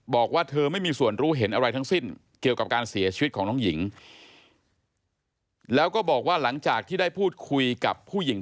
บอกว่าเธอไม่มีส่วนรู้เห็นอะไรทั้งสิ้นเกี่ยวกับการเสียชีวิตของน้องหญิง